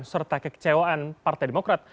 serta kekecewaan partai demokrat